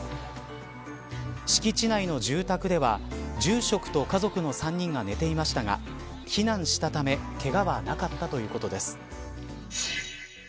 敷地内の住宅では住職と家族の３人が寝ていましたが避難したためけがはなかったということです。